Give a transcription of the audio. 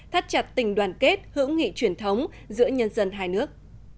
thắt chặt tình đoàn kết hữu nghị truyền thống giữa nhân dân hai nước